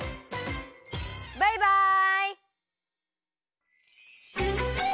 バイバイ！